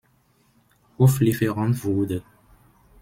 Hoflieferant wurde.